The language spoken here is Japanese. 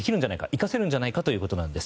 生かせるんじゃないかということです。